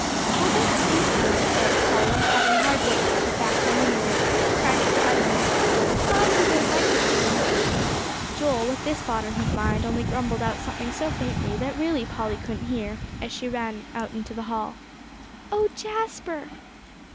"Well, don't say so," begged Polly, having hard work to keep back her own words, crowding for utterance. "Mamsie wouldn't like it, Joey." Joel, with this thought on his mind, only grumbled out something so faintly that really Polly couldn't hear as she ran out into the hall. "Oh, Jasper!"